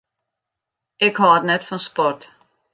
Ik hâld net fan sport.